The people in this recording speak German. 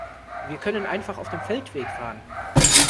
Wir können einfach auf dem Feldweg fahren.